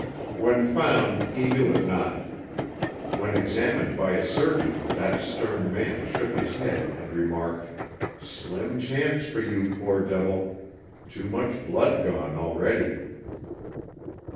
When found he knew it not. When examined by a surgeon that stern man shook his head and remarked: "Slim chance for you, poor devil too much blood gone already!"